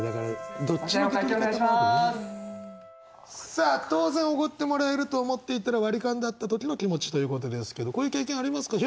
さあ当然おごってもらえると思っていたら割り勘だった時の気持ちということですけどこういう経験ありますか？